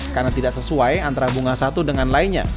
karena tidak sesuai antara bunga satu dengan lainnya